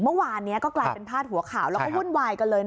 เมื่อวานนี้ก็กลายเป็นพาดหัวข่าวแล้วก็วุ่นวายกันเลย